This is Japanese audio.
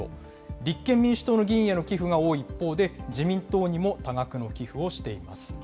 立憲民主党の議員への寄付が多い一方で、自民党にも多額の寄付をしています。